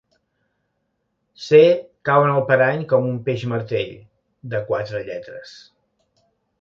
C Cau en el parany com un peix martell, de quatre lletres.